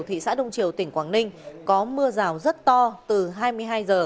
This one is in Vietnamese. thị xã đông triều tỉnh quảng ninh có mưa rào rất to từ hai mươi hai h